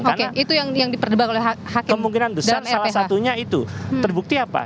karena kemungkinan besar salah satunya itu terbukti apa